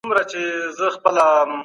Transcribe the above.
کمپيوټر نوټيفيکېشن ښيي.